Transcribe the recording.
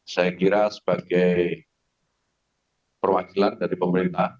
saya kira sebagai perwakilan dari pemerintah